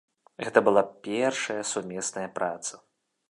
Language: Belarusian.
Гэта была першая сумесная праца.